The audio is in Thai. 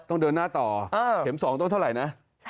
ต้องเดินหน้าต่อเข็ม๒ต้องเท่าไหร่นะ